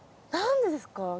何ですか？